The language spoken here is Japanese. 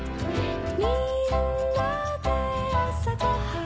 みんなで朝ごはん